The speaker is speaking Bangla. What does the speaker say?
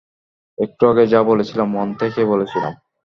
একটু আগে যা বলেছিলাম, মন থেকে বলেছিলাম।